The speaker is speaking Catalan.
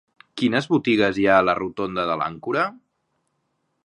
Quines botigues hi ha a la rotonda de l'Àncora?